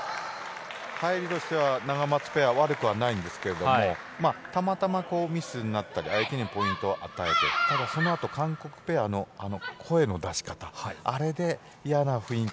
入りとしてはナガマツペア悪くはないんですがたまたまミスになったり相手にポイントを与えてそのあと韓国ペアの声の出し方でいやな雰囲気